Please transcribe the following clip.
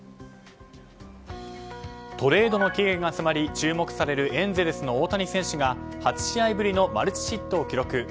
トレードの期限が迫り注目されるエンゼルスの大谷選手が８試合ぶりのマルチヒットを記録。